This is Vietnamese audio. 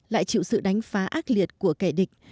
lại chịu sự đánh phá ác liệt của kẻ địch